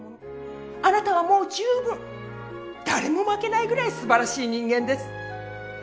あなたはもう十分誰も負けないぐらいすばらしい人間です。